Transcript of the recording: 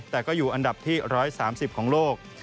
แต่ก็อยู่อันดับที่๑๓๐ของโลก